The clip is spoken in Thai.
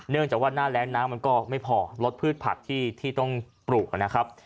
จากว่าหน้าแรงน้ำมันก็ไม่พอลดพืชผักที่ต้องปลูกนะครับ